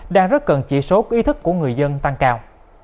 đang rất cần chỉ số ý thức của người dân tăng cao